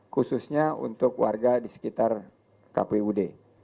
khususnya untuk warga di sekitar kpud